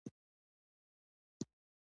دا له خپلو ټولو ستونزو سره سره هوسا وې.